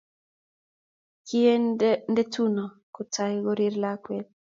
Kie ndetuno kotai korir lakwet